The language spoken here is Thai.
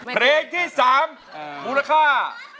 เพลงที่สามบูรกะค่า